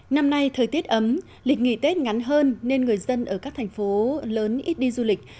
năm nay thời tiết ấm lịch nghỉ tết ngắn hơn nên người dân ở các thành phố lớn ít đi du lịch